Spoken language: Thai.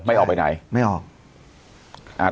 ไม่ออกไปไหน